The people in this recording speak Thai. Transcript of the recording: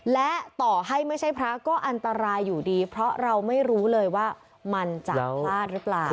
และต่อให้ไม่ใช่พระก็อันตรายอยู่ดีเพราะเราไม่รู้เลยว่ามันจะพลาดหรือเปล่า